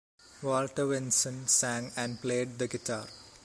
Walter Vinson sang and played the guitar.